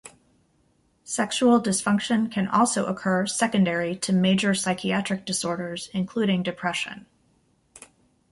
Sexual dysfunction can also occur secondary to major psychiatric disorders, including depression.